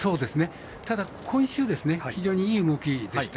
ただ、今週非常にいい動きでした。